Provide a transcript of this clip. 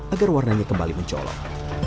agar warnanya kembali mencolok